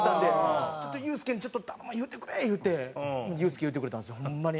ちょっとユースケに「頼むわ、言うてくれ」言うてユースケ言うてくれたんですよホンマに。